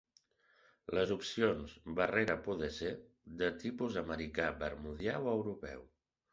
Les opcions barrera poder ser de tipus Americà, Bermudià o Europeu.